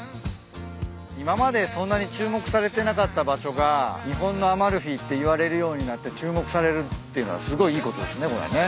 今までそんなに注目されてなかった場所が日本のアマルフィっていわれるようになって注目されるっていうのはすごいいいことですねこれね。